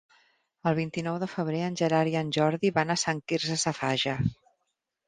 El vint-i-nou de febrer en Gerard i en Jordi van a Sant Quirze Safaja.